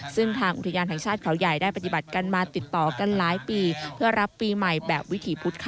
ซึ่งทางอุทยานแห่งชาติเขาใหญ่ได้ปฏิบัติกันมาติดต่อกันหลายปีเพื่อรับปีใหม่แบบวิถีพุธค่ะ